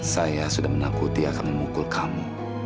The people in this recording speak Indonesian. saya sudah menakuti akan memukul kamu